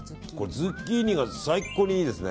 ズッキーニが最高にいいですね。